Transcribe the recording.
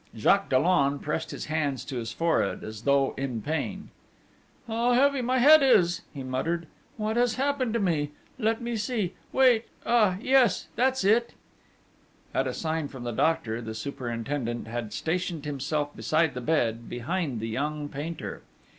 Jacques Dollon pressed his hands to his forehead, as though in pain: 'How heavy my head is!' he muttered. 'What has happened to me?... Let me see!... Wait.... Ah ... yes ... that's it!' At a sign from the doctor, the superintendent had stationed himself beside the bed, behind the young painter.